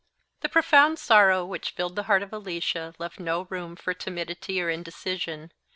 The profound sorrow which filled the heart of Alicia left no room for timidity or indecision.